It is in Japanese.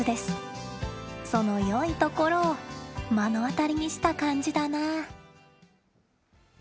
そのよいところを目の当たりにした感じだな。